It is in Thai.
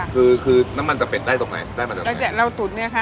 คือคือน้ำมันจะเป็ดได้ตรงไหนได้มาจากเราตุ๋นเนี่ยค่ะ